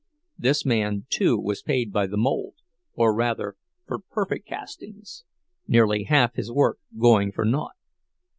This man, too, was paid by the mold—or rather for perfect castings, nearly half his work going for naught.